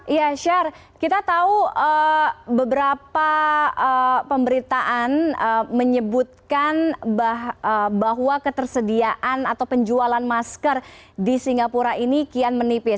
iya sher kita tahu beberapa pemberitaan menyebutkan bahwa ketersediaan atau penjualan masker di singapura ini kian menipis